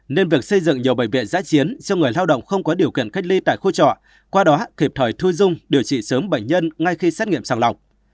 nên việc xây dựng nhiều bệnh viện giá chiến cho người lao động không có điều kiện cách ly tại khu trọ qua đó kịp thời thuê dung điều trị sớm bệnh nhân ngay khi xét nghiệm sẵn lọc